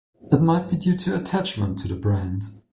It might be due to attachment to the brand.